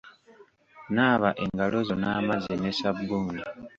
Naaba engalo zo n'amazzi ne sabbuuni.